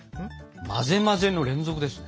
混ぜ混ぜの連続ですね。